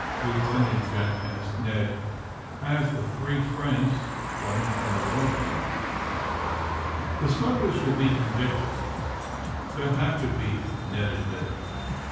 Lieutenant Jack asked Ned as the three friends lunched in the wardroom. The smugglers will be convicted — ^they'll have to be," Ned admitted.